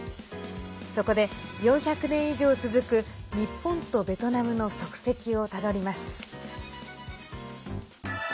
そこで４００年以上続く日本とベトナムの足跡をたどります。